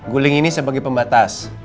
guling ini sebagai pembatas